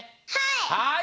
はい！